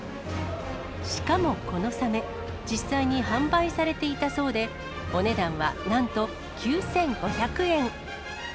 しかもこのサメ、実際に販売されていたそうで、お値段はなんと９５００円。